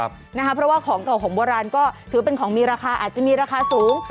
เพราะว่าของเก่าของโบราณก็ถือเป็นของมีราคาอาจจะมีราคาสูง